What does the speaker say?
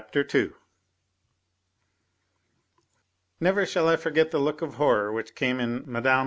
II Never shall I forget the look of horror which came in Mme.